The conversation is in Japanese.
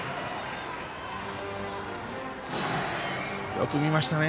よく見ましたね。